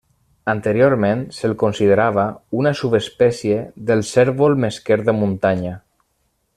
Anteriorment se'l considerava una subespècie del cérvol mesquer de muntanya.